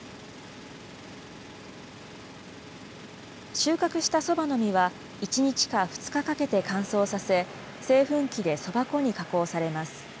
収穫したそばの実は、１日か２日かけて乾燥させ、製粉機でそば粉に加工されます。